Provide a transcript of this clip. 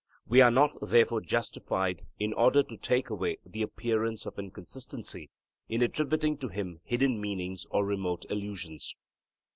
We are not therefore justified, in order to take away the appearance of inconsistency, in attributing to him hidden meanings or remote allusions.